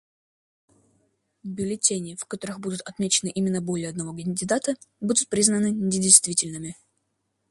Бюллетени, в которых будут отмечены имена более одного кандидата, будут признаны недействительными.